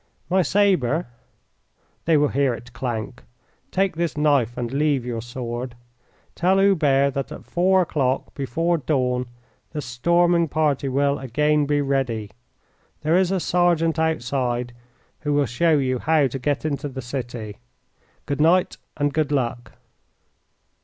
"My sabre." "They will hear it clank. Take this knife, and leave your sword. Tell Hubert that at four o'clock, before dawn, the storming party will again be ready. There is a sergeant outside who will show you how to get into the city. Good night, and good luck!"